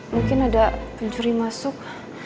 mungkin ada pencuri masuk